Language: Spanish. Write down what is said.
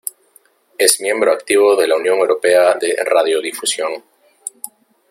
Es miembro activo de la Unión Europea de Radiodifusión.